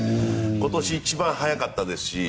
今年一番早かったですし